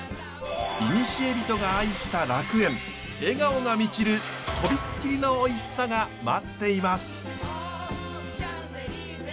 いにしえ人が愛した楽園笑顔が満ちる飛びっ切りのおいしさが待っています。